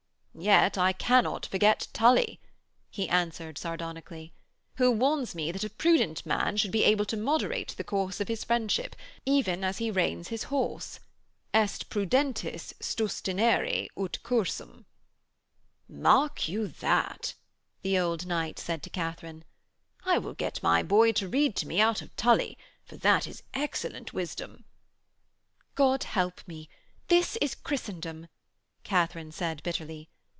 'Yet I cannot forget Tully,' he answered sardonically, 'who warns me that a prudent man should be able to moderate the course of his friendship, even as he reins his horse. Est prudentis sustinere ut cursum....' 'Mark you that!' the old knight said to Katharine. 'I will get my boy to read to me out of Tully, for that is excellent wisdom.' 'God help me, this is Christendom!' Katharine said, bitterly.